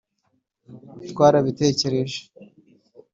twarabitekereje